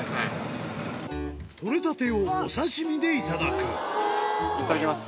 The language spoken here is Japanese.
捕れたてをお刺し身でいただくいただきます。